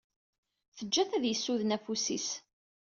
Teǧǧa-t ad as-yessuden afus-is.